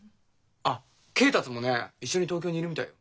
あ恵達もね一緒に東京にいるみたい。